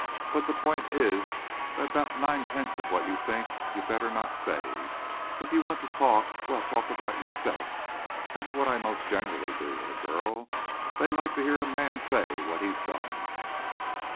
But the point is that about nine tenths of what you think you'd better not say. If you want to talk well, talk about yourself. That's what I most generally do with a girl. They like to hear a man say what he's done."